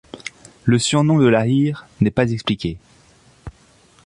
Le surnom de La Hire n'est pas expliqué.